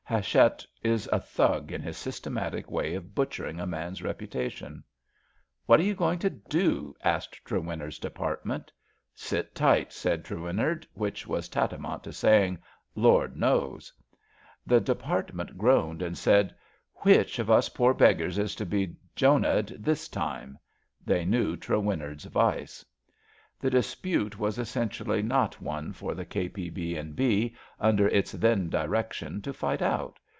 Hatchett is a Thug in his systematic way of butchering a man's reputation. What are you going to do? ^' asked Trewin nard 's Department. Sit tight," said Trewin 156 . ABAFT THE FUNNEL nard, which was tantamount to saying Lord knows/' The Department groaned and said: Which of us poor beggars is to be Jonahed this time? '^ They knew Trewinnard's vice. The dispute was essentially not one for the K.P.B. and B. under its then direction to fight out.